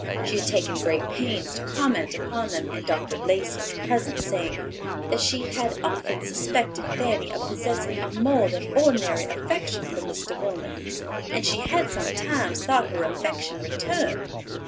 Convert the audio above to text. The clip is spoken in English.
She had taken great pains to comment upon them in Dr. Lacey's presence, saying, "that she had often suspected Fanny of possessing a more than ordinary affection for Mr. Wilmot, and she had sometimes thought her affection returned.